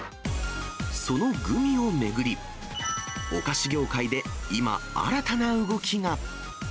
そのグミを巡り、お菓子業界で今、新たな動きが。